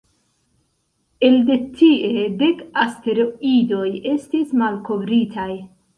Elde tie, dek asteroidoj estis malkovritaj.